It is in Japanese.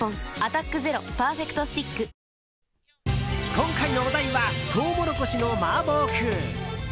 今回のお題はトウモロコシの麻婆風。